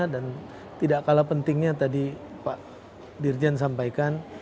dan tidak kalah pentingnya tadi pak dirjen sampaikan